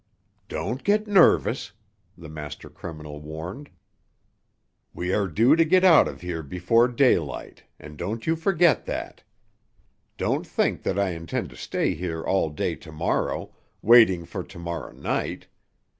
"Don't get nervous," the master criminal warned. "We are due to get out of here before daylight, and don't you forget that. Don't think that I intend to stay here all day to morrow, waiting for to morrow night.